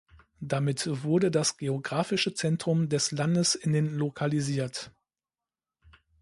Damit wurde das geografische Zentrum des Landes in den lokalisiert.